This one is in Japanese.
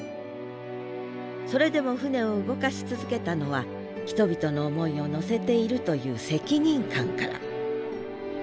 それでも船を動かし続けたのは人々の思いを乗せているという責任感から。